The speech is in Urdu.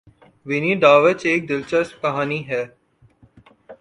ونی داوچ ایک دلچسپ کہانی ہے۔